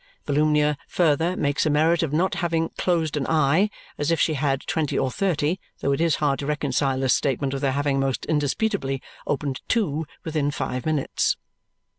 Volumnia further makes a merit of not having "closed an eye" as if she had twenty or thirty though it is hard to reconcile this statement with her having most indisputably opened two within five minutes.